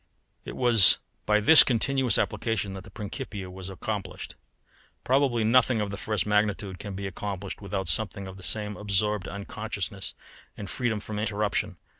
It was by this continuous application that the Principia was accomplished. Probably nothing of the first magnitude can be accomplished without something of the same absorbed unconsciousness and freedom from interruption.